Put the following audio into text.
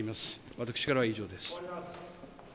私からは以上です。